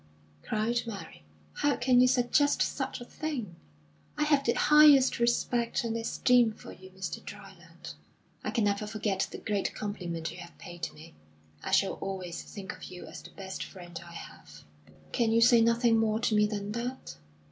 cried Mary. "How can you suggest such a thing? I have the highest respect and esteem for you, Mr. Dryland. I can never forget the great compliment you have paid me. I shall always think of you as the best friend I have." "Can you say nothing more to me than that?"